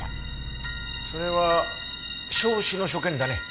それは焼死の所見だね。